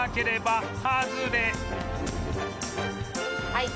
はい。